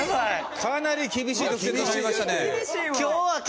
かなり厳しい得点となりましたね。